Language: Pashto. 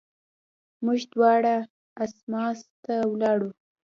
موږ دواړه اسماس ته ولاړو.